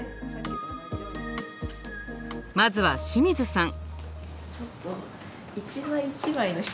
まずは清水さん。